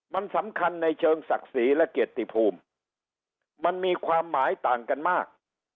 มันสำคัญในเชิงศักดิ์ศรีและเกียรติภูมิมันมีความหมายต่างกันมาก